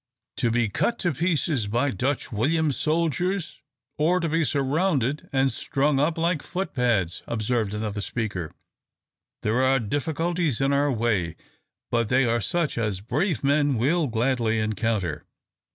"To be cut to pieces by Dutch William's soldiers, or to be surrounded and strung up like foot pads!" observed another speaker. "There are difficulties in our way, but they are such as brave men will gladly encounter."